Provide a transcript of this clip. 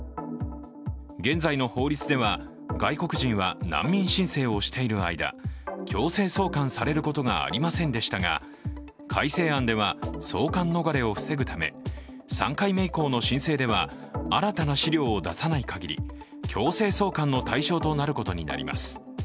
現在の法律では、外国人は難民申請をしている間強制送還されることがありませんでしたが、改正案では送還逃れを防ぐため３回目以降の申請では新たな資料を出さないかぎり強制送還の対象になることになります。